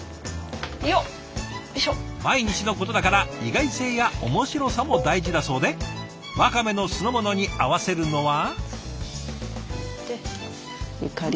毎日のことだから意外性や面白さも大事だそうでワカメの酢の物に合わせるのは。